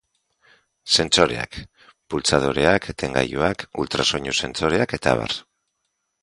Sentsoreak: pultsadoreak, etengailuak, ultrasoinu sentsoreak eta abar.